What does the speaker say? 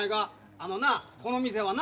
あのなこの店はな